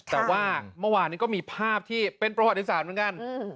แต่ว่าเมื่อวานนี้ก็มีภาพที่เป็นประวัติศาสตร์เหมือนกัน